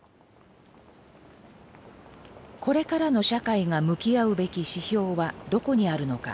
これからの社会が向き合うべき指標はどこにあるのか。